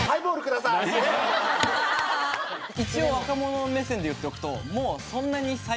一応若者目線で言っておくともう。